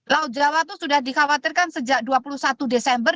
laut jawa itu sudah dikhawatirkan sejak dua puluh satu desember